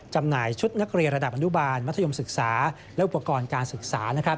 จำหน่ายชุดนักเรียนระดับอนุบาลมัธยมศึกษาและอุปกรณ์การศึกษา